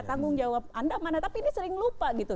tanggung jawab anda mana tapi dia sering lupa gitu